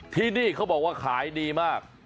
ที่นี่เขาบอกว่าขายดีมาก